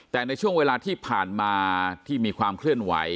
แต่ในช่วงเวลาที่ผ่านมาที่มีความเคลื่อนไหว